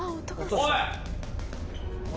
おい！